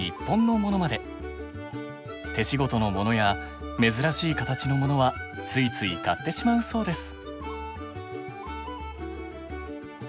手仕事のものや珍しい形のものはついつい買ってしまうそうです。